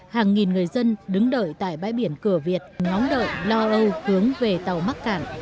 hàng nghìn người dân đứng đợi tại bãi biển cửa việt ngóng đợi lo âu hướng về tàu mắc cạn